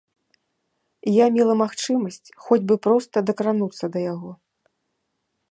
Я мела магчымасць хоць бы проста дакрануцца да яго.